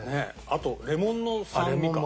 あとレモンの酸味か。